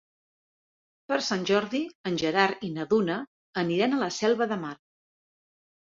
Per Sant Jordi en Gerard i na Duna aniran a la Selva de Mar.